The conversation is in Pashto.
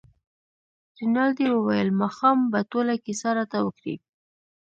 رینالډي وویل ماښام به ټوله کیسه راته وکړې.